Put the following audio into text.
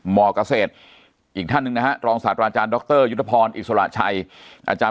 มกเศษอีกท่านนะฮะรองศาสตราอาจารย์ดรยุทธพรอิสราชัยอาจารย์